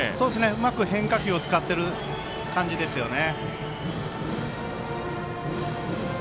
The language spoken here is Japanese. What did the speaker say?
うまく変化球を使っている感じですよね。